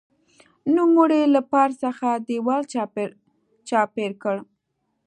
نوموړي له پارک څخه دېوال چاپېر کړ.